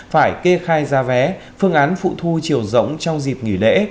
phải kê khai ra vé phương án phụ thu chiều rỗng trong dịp nghỉ lễ